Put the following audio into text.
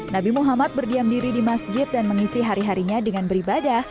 nabi muhammad berkata